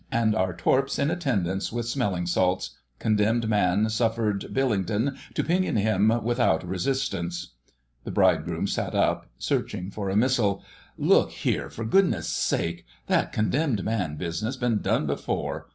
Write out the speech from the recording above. And our Torps in attendance with smelling salts.... Condemned man suffered Billington to pinion him without Resistance——" The bridegroom sat up, searching for a missile. "Look here, for goodness' sake.... That 'Condemned man' business 's been done before.